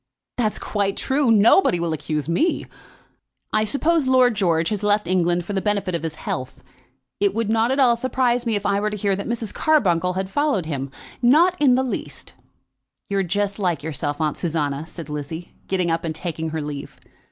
"That's quite true. Nobody will accuse me. I suppose Lord George has left England for the benefit of his health. It would not at all surprise me if I were to hear that Mrs. Carbuncle had followed him; not in the least." "You're just like yourself, Aunt Susanna," said Lizzie, getting up and taking her leave.